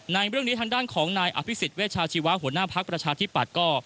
ในเรื่องนี้ทางด้านของนายอภิษฎเวชาชีวะหัวหน้าภักดิ์ประชาธิปัตย์ก็